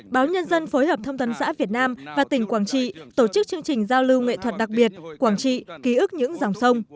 báo nhân dân phối hợp thông tấn xã việt nam và tỉnh quảng trị tổ chức chương trình giao lưu nghệ thuật đặc biệt quảng trị ký ức những dòng sông